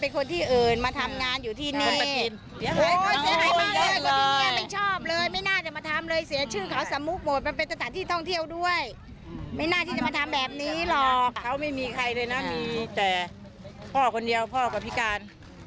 เขาไม่มีใครเลยนะมีแต่พ่อคนเดียวพ่อก็พิการ